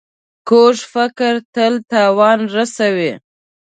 کوږ فکر تل تاوان رسوي